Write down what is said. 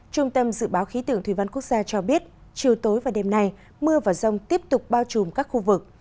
trung tâm dự báo khí tượng thủy văn quốc gia cho biết chiều tối và đêm nay mưa và rông tiếp tục bao trùm các khu vực